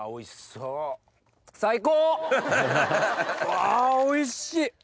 わおいしい！